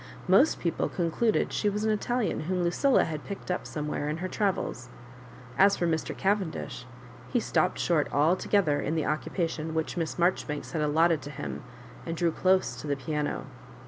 Most people concluded she was 3 an Italian whom LuciUa had picked up some where in her travels. As for Mr. Cavendish, he stopped short altogether in the occupation which Miss Maijoribanks had aUotted to him, and drew dose to the piano.